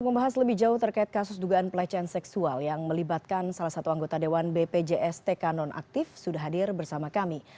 membahas lebih jauh terkait kasus dugaan pelecehan seksual yang melibatkan salah satu anggota dewan bpjstk nonaktif sudah hadir bersama kami